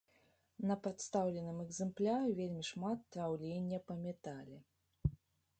На прадстаўленым экземпляры вельмі шмат траўлення па метале.